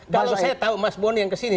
kalau saya tahu mas boni yang kesini